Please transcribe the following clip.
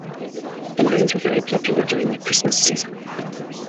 The lines were very popular during the Christmas season.